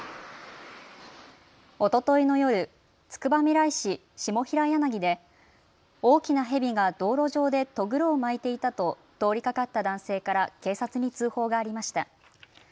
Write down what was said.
おとといの夜、つくばみらい市下平柳で大きなヘビが道路上でとぐろを巻いていたと通りかかった男性から警察に通報がありました。